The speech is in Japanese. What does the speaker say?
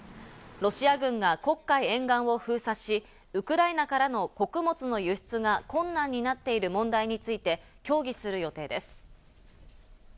ロシア軍が黒海沿岸を封鎖し、ウクライナからの穀物の輸出が困難になっている問題について協議する予定です。